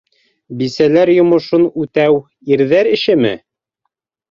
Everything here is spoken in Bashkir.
Бисәләр йомошон үтәү ирҙәр эшеме?!